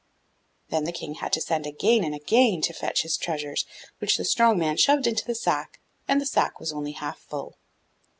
Then the King had to send again and again to fetch his treasures, which the strong man shoved into the sack, and the sack was only half full.